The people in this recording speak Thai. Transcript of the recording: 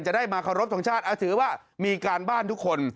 ได้มาเคารพทงชาติถือว่ามีการบ้านทุกคน